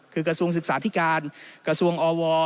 คือกระทรวงศึกษาธิการกระทรวงอว